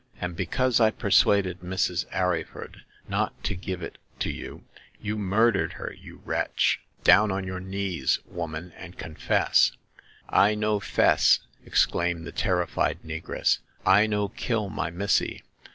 And because I persuaded Mrs. Arryford not to give it to you, you murdered her, you wretch ! Down on your knees, woman, and confess !''I no 'fess !" exclaimed the terrified negress. " I no kill my missy